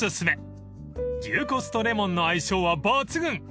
［牛骨とレモンの相性は抜群］